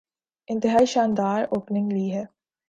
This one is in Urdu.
انتہائی شاندار اوپننگ لی ہے۔